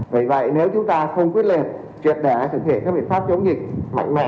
vậy vậy nếu chúng ta không quyết liệt truyệt đại thực hiện các biện pháp chống dịch mạnh mẽ